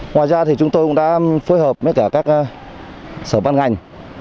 ngoài ra chúng tôi cũng đã phối hợp với các sở ban ngành